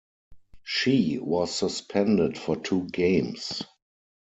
She was suspended for two games.